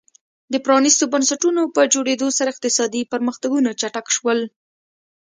د پرانیستو بنسټونو په جوړېدو سره اقتصادي پرمختګونه چټک شول.